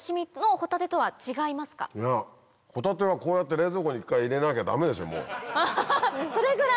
ホタテはこうやって冷蔵庫に一回入れなきゃダメでしょもう。それぐらい。